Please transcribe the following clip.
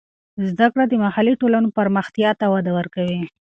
زده کړه د محلي ټولنو پرمختیا ته وده ورکوي.